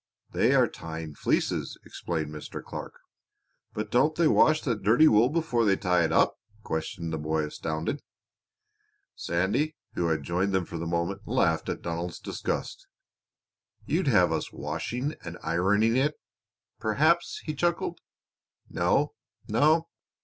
"They are tying fleeces," explained Mr. Clark. "But don't they wash that dirty wool before they tie it up?" questioned the boy, astounded. Sandy, who had joined them for the moment, laughed at Donald's disgust. "You'd have us washing and ironing it, perhaps," he chuckled. "No, no!